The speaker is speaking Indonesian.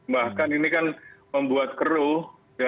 bahkan ini kan membuat keruh